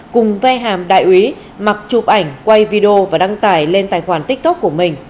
cùng ve hàm đại úy mặc chụp ảnh quay video và đăng tải lên tài khoản tiktok của mình